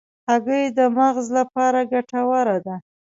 هګۍ د مغز لپاره ګټوره ده.